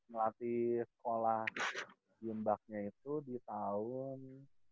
ngelatih sekolah bimbaknya itu di tahun